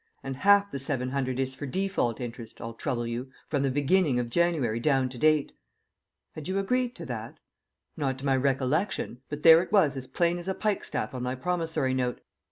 And half the seven hundred is for default interest, I'll trouble you, from the beginning of January down to date!" "Had you agreed to that?" "Not to my recollection, but there it was as plain as a pikestaff on my promissory note.